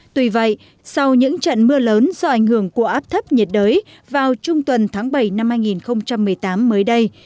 tuy vậy sau những trận mưa lớn do ảnh hưởng của áp thấp nhiệt đới vào trung tuần tháng bảy năm hai nghìn một mươi tám mới đây